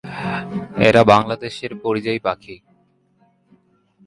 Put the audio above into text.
এরা বাংলাদেশের পরিযায়ী পাখি।